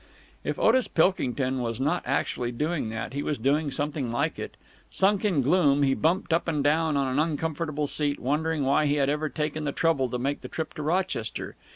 If Otis Pilkington was not actually doing that, he was doing something like it. Sunk in gloom, he bumped up and down on an uncomfortable seat, wondering why he had ever taken the trouble to make the trip to Rochester.